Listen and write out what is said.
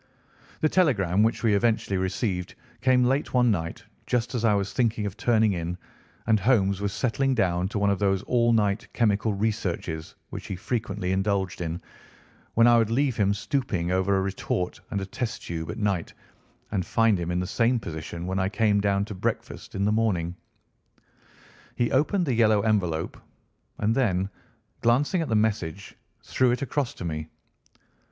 The telegram which we eventually received came late one night just as I was thinking of turning in and Holmes was settling down to one of those all night chemical researches which he frequently indulged in, when I would leave him stooping over a retort and a test tube at night and find him in the same position when I came down to breakfast in the morning. He opened the yellow envelope, and then, glancing at the message, threw it across to me.